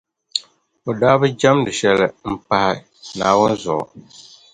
O daa bi jεmdi shɛli m-pahi Naawuni zuɣu.